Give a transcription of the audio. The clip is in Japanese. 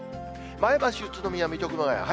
前橋、宇都宮、水戸、熊谷。